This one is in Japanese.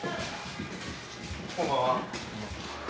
こんばんは。